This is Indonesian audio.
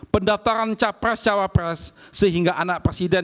pendaftaran capres cawapres sehingga anak presiden